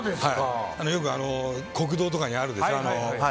よく国道とかにあるでしょ。